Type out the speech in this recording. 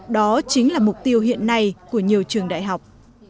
đó chính là mục tiêu hiện nay của nhiều trường đại học